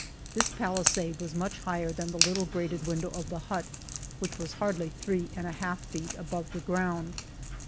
This paHsade was much higher than the httle grated window of the hut, which was hardly three and a half feet above the ground.